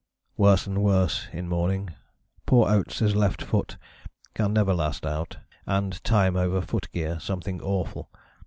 _ Worse and worse in morning; poor Oates' left foot can never last out, and time over foot gear something awful.